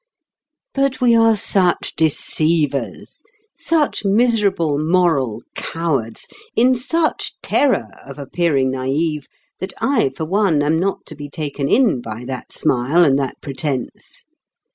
But we are such deceivers, such miserable, moral cowards, in such terror of appearing naïve, that I for one am not to be taken in by that smile and that pretence.